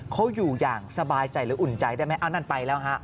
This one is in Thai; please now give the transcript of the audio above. เขาอยู่อย่างสบายใจหรืออุ่นใจได้ไหมอันนั้นไปแล้วฮะ